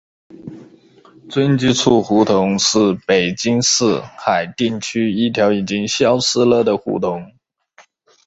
军机处胡同是北京市海淀区一条已经消失了的胡同。